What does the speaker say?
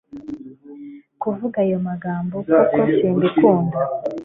kuvuga ayo magambo kuko simbikunda